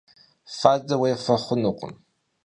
Fade vuêfe xhunukhım.